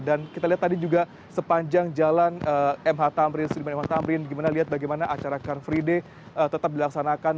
dan kita lihat tadi juga sepanjang jalan mh tamrin sudiman mh tamrin bagaimana acara car free day tetap dilaksanakan